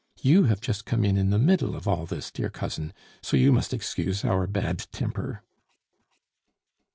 You have just come in in the middle of all this, dear cousin, so you must excuse our bad temper."